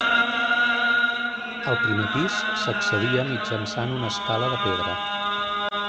Al primer pis s'accedia mitjançant una escala de pedra.